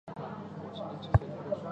毕业于四川省委党校行政管理。